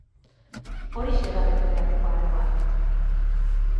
Horixe da bete beharreko araua.